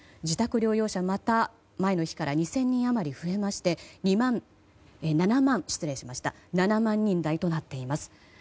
自宅療養者、また前の日から２０００人余り増えまして７万人台となっています。